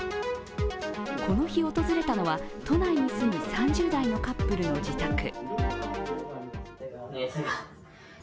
この日訪れたのは、都内に住む３０代のカップルの自宅。